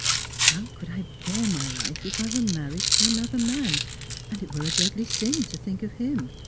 How could I bear my life if I were married to ar.oLher man, and it were a deadly stn to tliiuk of him?